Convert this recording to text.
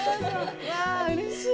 わうれしい！